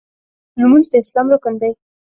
لمونځ د اسلام رکن دی.